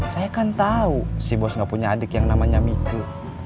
saya kan tahu si bos gak punya adik yang namanya micu